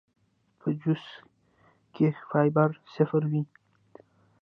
پۀ جوس کښې فائبر صفر وي